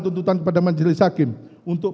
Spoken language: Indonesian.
tuntutan kepada majelis hakim untuk